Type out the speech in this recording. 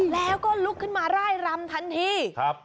แล้วก็ลุกขึ้นมาร่ายรำทันทีครับ